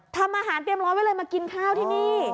ทำอาหารเตรียมร้อนไว้เลยมากินข้าวที่นี่